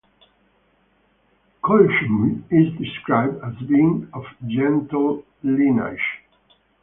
Culhwch is described as being "of gentle lineage".